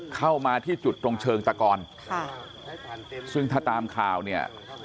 เข้ามาที่จุดตรงเชิงตะกอนค่ะซึ่งถ้าตามข่าวเนี่ย